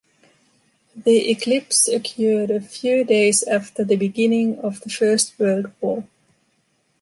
The eclipse occurred a few days after the beginning of the First World War.